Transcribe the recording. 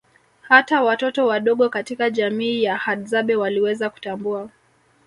Hata watoto wadogo katika jamii ya hadzabe waliweza kutambua